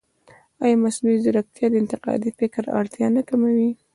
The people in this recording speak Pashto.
ایا مصنوعي ځیرکتیا د انتقادي فکر اړتیا نه کموي؟